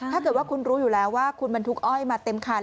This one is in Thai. ถ้าเกิดว่าคุณรู้อยู่แล้วว่าคุณบรรทุกอ้อยมาเต็มคัน